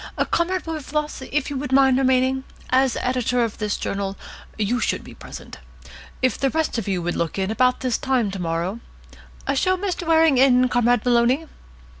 Comrade Wilberfloss, would you mind remaining? As editor of this journal, you should be present. If the rest of you would look in about this time to morrow Show Mr. Waring in, Comrade Maloney."